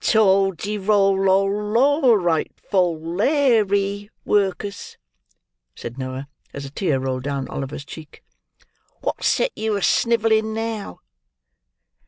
"Tol de rol lol lol, right fol lairy, Work'us," said Noah, as a tear rolled down Oliver's cheek. "What's set you a snivelling now?"